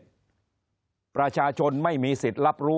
คนในวงการสื่อ๓๐องค์กร